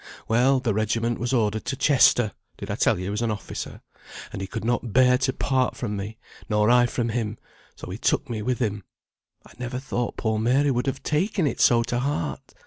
Well, the regiment was ordered to Chester (did I tell you he was an officer?), and he could not bear to part from me, nor I from him, so he took me with him. I never thought poor Mary would have taken it so to heart!